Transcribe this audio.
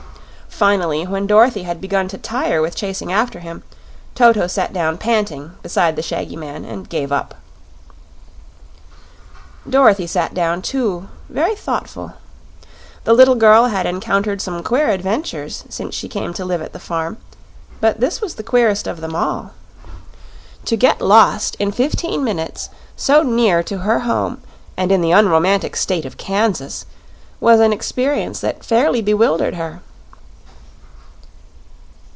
Finally, when Dorothy had begun to tire with chasing after him, Toto sat down panting beside the shaggy man and gave up. Dorothy sat down, too, very thoughtful. The little girl had encountered some queer adventures since she came to live at the farm; but this was the queerest of them all. To get lost in fifteen minutes, so near to her home and in the unromantic State of Kansas, was an experience that fairly bewildered her.